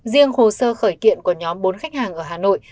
riêng hồ sơ khởi kiện của nhóm bốn khách hàng ở hà nội